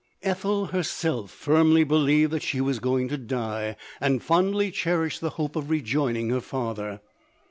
Ethel herself firmly believed that she was going to die, and fondly cherished the hope 288 LODORE. of rejoining her father.